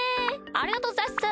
ありがとうございます。